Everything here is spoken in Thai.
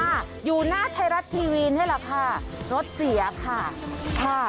อยู่หน้าไทยรัฐทีวีนี่แหละค่ะรถเสียค่ะค่ะ